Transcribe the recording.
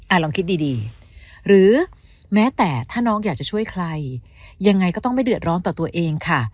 ลองคิดดีดีหรือแม้แต่ถ้าน้องอยากจะช่วยใครยังไงก็ต้องไม่เดือดร้อนต่อตัวเองค่ะ